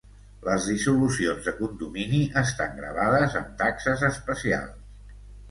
Les dissolucions de condomini estan gravades amb taxes especials.